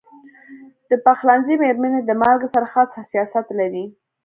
د پخلنځي میرمنې د مالګې سره خاص حساسیت لري.